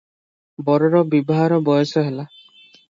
ବରର ବିବାହର ବୟସ ହେଲା ।